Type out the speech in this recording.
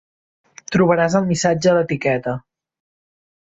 Trobaràs el missatge a l'etiqueta.